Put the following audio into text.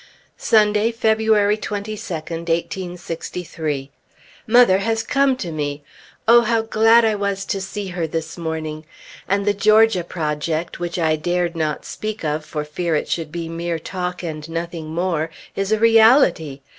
Sunday, February 22d, 1863. Mother has come to me! O how glad I was to see her this morning! And the Georgia project, which I dared not speak of for fear it should be mere talk and nothing more, is a reality.